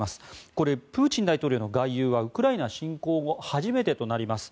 これ、プーチン大統領の外遊はウクライナ侵攻後初めてとなります。